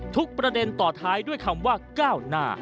ประเด็นต่อท้ายด้วยคำว่าก้าวหน้า